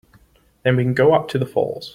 Then we can go up to the falls.